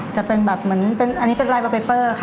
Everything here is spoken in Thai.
จะเป็นแบบมันเป็นอันนี้เป็นลายเปอร์เปเปอร์ค่ะ